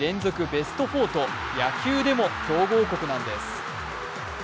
ベスト４と野球でも強豪国なんです。